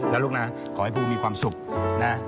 แล้วลูกนะขอให้ภูมิความสุขนะ